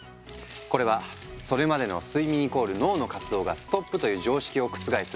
これはそれまでの「睡眠＝脳の活動がストップ」という常識を覆す